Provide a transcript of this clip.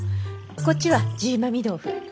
こっちはジーマミー豆腐。